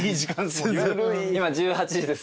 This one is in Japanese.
今１８時です。